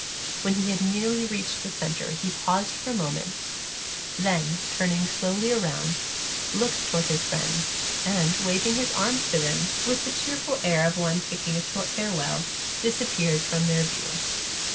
When he had nearly reached the centre he paused for a moment, then, turning slowly round, looked toward his friends, and waving his arms to them with the cheerful air of one taking a short farewell, disappeared from their view.